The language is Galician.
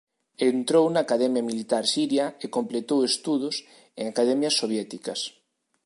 Entrou na Academia Militar Siria e completou estudos en academias soviéticas.